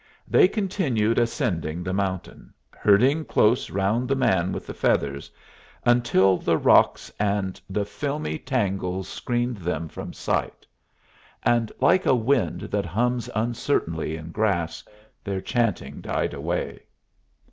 They continued ascending the mountain, herding close round the man with the feathers, until the rocks and the filmy tangles screened them from sight; and like a wind that hums uncertainly in grass, their chanting died away.